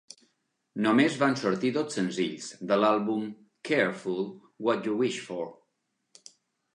Només van sortir dos senzills de l'àlbum "Careful What You Wish For".